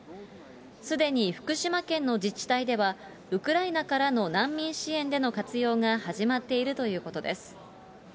すでに福島県の自治体では、ウクライナからの難民支援での活用が始まっているということです。